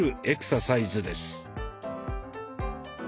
エクササイズです。